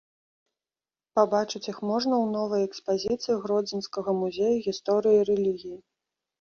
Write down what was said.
Пабачыць іх можна ў новай экспазіцыі гродзенскага музея гісторыі рэлігіі.